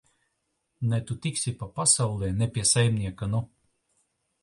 Ne tu tiksi pa pasauli, ne pie saimnieka, nu!